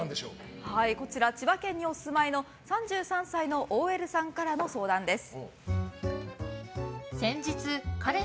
千葉県にお住まいの３３歳のＯＬさんからの相談です。